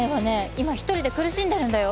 今一人で苦しんでるんだよ？